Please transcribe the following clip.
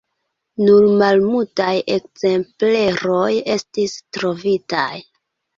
Nur malmultaj ekzempleroj estis trovitaj.